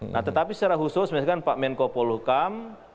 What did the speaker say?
nah tetapi secara khusus misalkan pak menko polukam